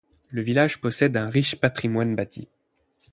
Le village possède un riche patrimoine bâti.